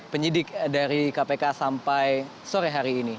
penyidik dari kpk sampai sore hari ini